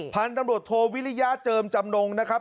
พันธุ์ตำรวจโทวิริยาเจิมจำนงนะครับ